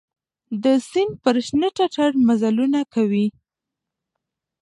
د سیند پر شنه ټټر مزلونه کوي